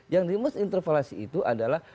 yang dimaksud interpelasi itu adalah